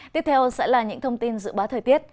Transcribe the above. tiếp theo sẽ là những thông tin dự báo thời tiết